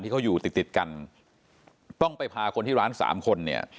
ที่เขาอยู่ติดกันต้องไปพาคนที่ร้าน๓คน